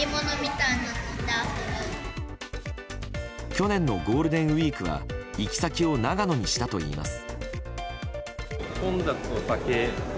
去年のゴールデンウィークは行き先を長野にしたといいます。